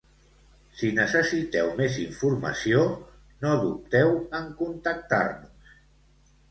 Si necessiteu més informació, no dubteu en contactar-nos!